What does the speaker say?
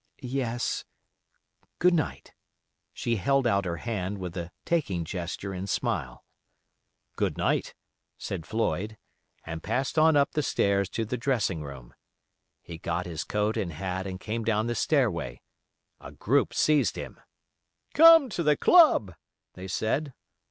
"Yes—good night," she held out her hand, with a taking gesture and smile. "Good night," said Floyd, and passed on up the stairs to the dressing room. He got his coat and hat and came down the stairway. A group seized him. "Come to the club," they said.